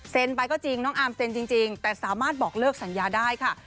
ไปก็จริงน้องอาร์มเซ็นจริงแต่สามารถบอกเลิกสัญญาได้ค่ะ